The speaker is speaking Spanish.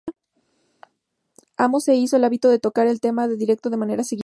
Amos se hizo el hábito de tocar el tema en directo se manera seguida.